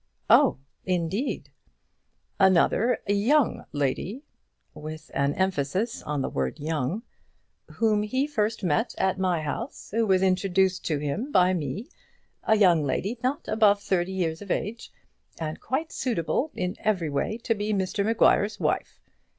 "Oh, indeed." "Another young lady," with an emphasis on the word young, "whom he first met at my house, who was introduced to him by me, a young lady not above thirty years of age, and quite suitable in every way to be Mr Maguire's wife.